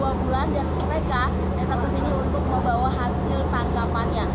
dan mereka datang ke sini untuk membawa hasil tangkapannya